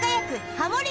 ハモリ